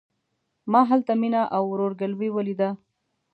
ما هلته مينه او ورور ګلوي وليده.